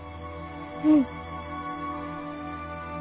うん。